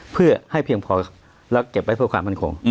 เพื่อให้เพียงพอแล้วเก็บไว้เพื่อความมั่นคง